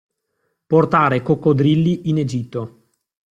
Portare coccodrilli in Egitto.